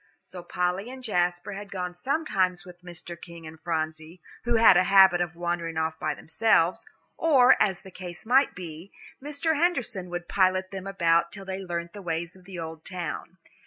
So Polly and Jasper had gone sometimes with Mr. King and Phronsie, who had a habit of wandering off by themselves; or, as the case might be, Mr. Henderson would pilot them about till they learnt the ways of the old town.